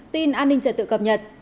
tin an ninh trật tự cập nhật